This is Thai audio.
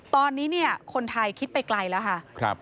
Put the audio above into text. ตอนนี้เนี่ยคนไทยคิดไปไกลแล้วค่ะ